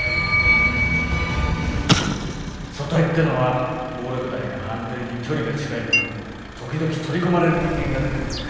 組対ってのは暴力団や半グレに距離が近い分時々取り込まれる人間が出てくんだよ。